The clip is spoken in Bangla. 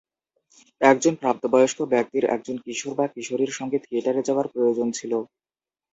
একজন প্রাপ্তবয়স্ক ব্যক্তির একজন কিশোর বা কিশোরীর সঙ্গে থিয়েটারে যাওয়ার প্রয়োজন ছিল।